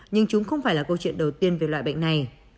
nhưng chúng không phải là câu chuyện đầu tiên về loại bệnh này